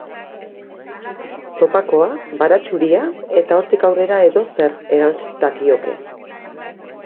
Zopakoa, baratzuria eta hortik aurrera edozer erants dakioke.